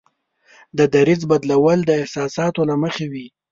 د دریځ بدلول د احساساتو له مخې وي.